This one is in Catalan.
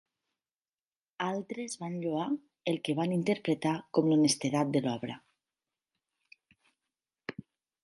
Altres van lloar el que van interpretar com l'honestedat de l'obra.